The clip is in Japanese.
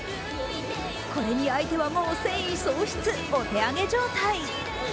これに相手はもう戦意喪失、お手上げ状態。